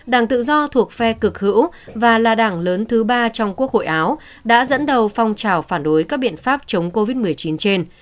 đảng tự do thuộc phe cực hữu và là đảng lớn thứ ba trong quốc hội áo đã dẫn đầu phong trào phản đối các biện pháp chống covid một mươi chín trên